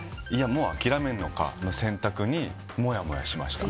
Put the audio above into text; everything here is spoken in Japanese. もう、諦めるのかの選択にもやもやしました。